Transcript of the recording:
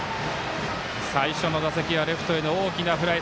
最初の打席はレフトへの大きなフライ。